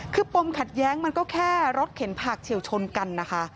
คือปมขัดแย้งมันก็แค่รถเข็นผักเฉียวชนกันนะคะ